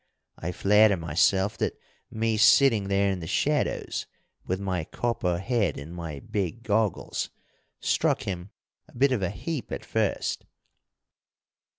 I flatter myself that me sitting there in the shadows, with my copper head and my big goggles, struck him a bit of a heap at first.